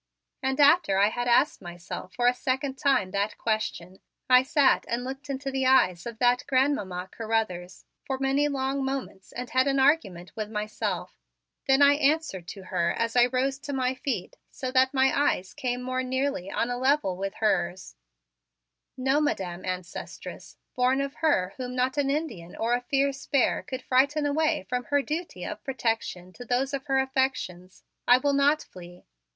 And after I had asked myself for a second time that question I sat and looked into the eyes of that Grandmamma Carruthers for many long moments and had an argument with myself; then I answered to her as I rose to my feet so that my eyes came more nearly on a level with hers: "No, Madam Ancestress, born of her whom not an Indian or a fierce bear could frighten away from her duty of protection to those of her affections, I will not flee.